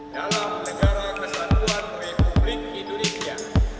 dalam negara kesatuan republik indonesia